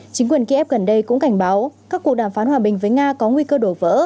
chính quyền kiev gần đây cũng cảnh báo các cuộc đàm phán hòa bình với nga có nguy cơ đổ vỡ